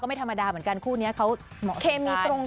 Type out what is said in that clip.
เคมีตรงกันเนอะคุณน้อง